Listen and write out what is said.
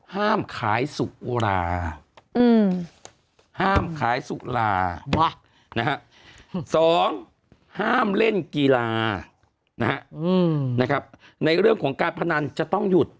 ห้ามขายสุราห้ามขายสุราวะนะฮะสองห้ามเล่นกีฬานะฮะในเรื่องของการพนันจะต้องหยุด